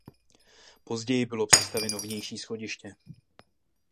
Později bylo přistavěno vnější schodiště.